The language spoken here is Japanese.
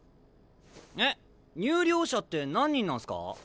えっ入寮者って何人なんすか？